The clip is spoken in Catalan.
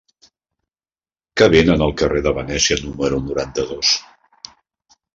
Què venen al carrer de Venècia número noranta-dos?